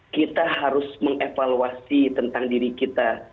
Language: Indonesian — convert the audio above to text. kita harus mengevaluasi tentang diri kita